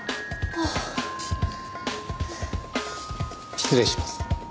失礼します。